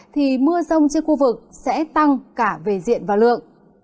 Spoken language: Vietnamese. thì mưa rông trên khu vực sẽ tăng cả về diện và lượng